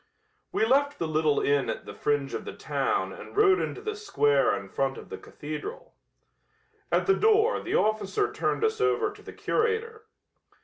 We left the little inn at the fringe of the town and rode into the square in front of the cathedral. At the door the officer turned us over to the curator.